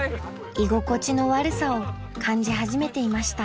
［居心地の悪さを感じ始めていました］